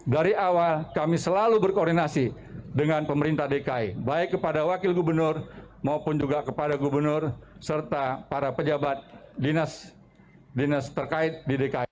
dari awal kami selalu berkoordinasi dengan pemerintah dki baik kepada wakil gubernur maupun juga kepada gubernur serta para pejabat dinas dinas terkait di dki